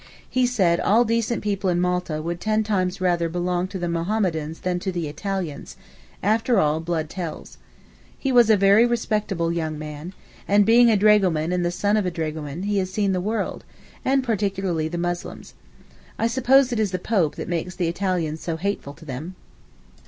He said all decent people in Malta would ten times rather belong to the Mahommedans than to the Italians—after all blood tells. He was a very respectable young man, and being a dragoman and the son of a dragoman, he has seen the world, and particularly the Muslims. I suppose it is the Pope that makes the Italians so hateful to them.